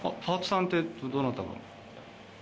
パートさんってどなたが？